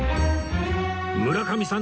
村上さん